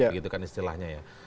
begitukan istilahnya ya